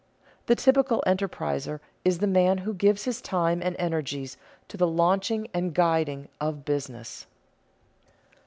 The typical enterpriser is the man who gives his time and energies to the launching and guiding of business.